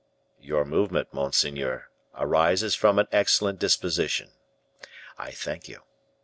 "Your movement, monseigneur, arises from an excellent disposition. I thank you.